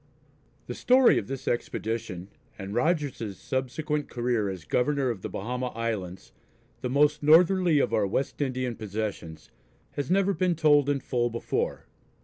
The story of this expedition, and Rogers's subsequent career as Governor of the Bahama Islands, the most northerly of our West Indian possessions, has never been told in full before.